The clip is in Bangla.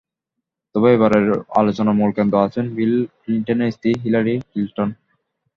তবে এবারের আলোচনার মূল কেন্দ্রে আছেন বিল ক্লিনটনের স্ত্রী হিলারি ক্লিনটন।